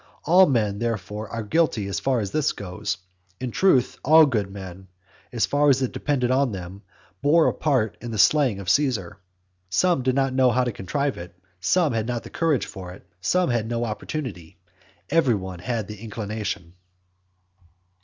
All men, therefore, are guilty as far as this goes. In truth, all good men, as far as it depended on them, bore a part in the slaying of Caesar. Some did not know how to contrive it, some had not courage for it, some had no opportunity, every one had the inclination.